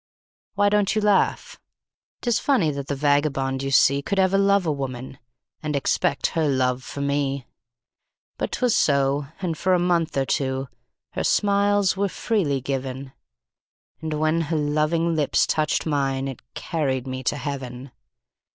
"Why don't you laugh? 'Tis funny that the vagabond you see Could ever love a woman, and expect her love for me; But 'twas so, and for a month or two, her smiles were freely given, And when her loving lips touched mine, it carried me to Heaven.